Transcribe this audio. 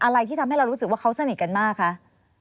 อะไรที่ทำให้เรารู้สึกว่าเขาสนิทกันมากคะ